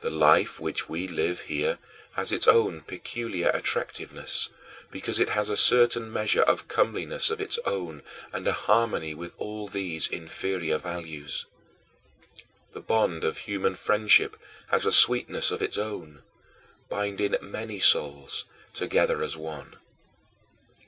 The life which we live here has its own peculiar attractiveness because it has a certain measure of comeliness of its own and a harmony with all these inferior values. The bond of human friendship has a sweetness of its own, binding many souls together as one.